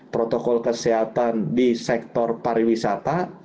protokol kesehatan di sektor pariwisata